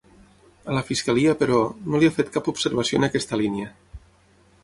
A la fiscalia, però, no li ha fet cap observació en aquesta línia.